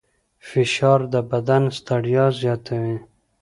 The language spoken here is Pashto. فشار د بدن ستړیا زیاتوي.